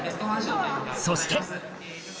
そして！